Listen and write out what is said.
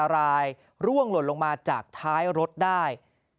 ล่วงลนลงมาจากท้ายรถได้